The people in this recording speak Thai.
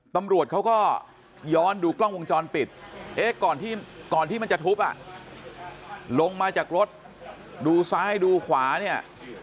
ตำรวจเขาก็ย้อนดูกล้องวงจรปิดเอ๊ะก่อนที่มันจะทุบอ่ะลงมาจากรถดูซ้ายดูขวาเนี่ย